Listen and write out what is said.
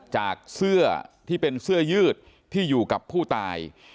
จากเสื้อที่เป็นเสื้อยืดที่อยู่กับผู้ตาย